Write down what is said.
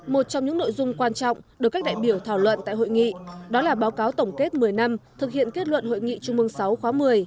một trong những nội dung quan trọng được các đại biểu thảo luận tại hội nghị đó là báo cáo tổng kết một mươi năm thực hiện kết luận hội nghị trung mương sáu khóa một mươi